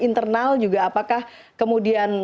internal juga apakah kemudian